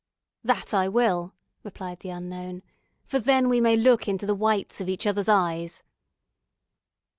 "That I will," replied the unknown, "for then we may look into the whites of each other's eyes."